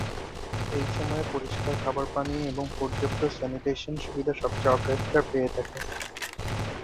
এই সময়ে পরিষ্কার খাবার পানি এবং পর্যাপ্ত স্যানিটেশন সুবিধা সবচেয়ে অগ্রাধিকার পেয়ে থাকে।